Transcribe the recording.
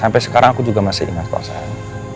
sampai sekarang aku juga masih ingat tosan